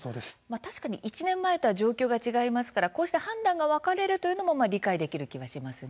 確かに１年前とは状況が違いますからこうして判断が分かれるというのも理解ができる気がしますね。